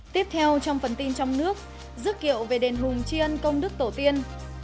tiếp theo trong phần tin trong nước dứt kiệu về đền hùng chiên công đức tổ tiên